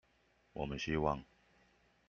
我們希望